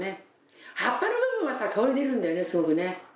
葉っぱの部分はさ香り出るんだよねすごくね。